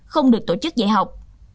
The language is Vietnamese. không được tổ chức dạy học